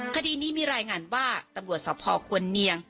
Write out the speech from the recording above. คดีนี้มีรายงานว่าตำรวจสภควรเนียง